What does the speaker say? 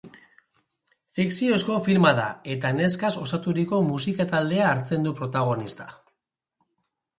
Fikziozko filma da eta neskaz osaturiko musika taldea hartzen du protagonista.